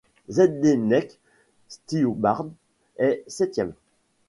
Zdeněk Štybar est septième.